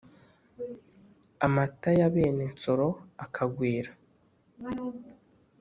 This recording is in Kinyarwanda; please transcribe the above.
amata ya bene nsoro akagwira.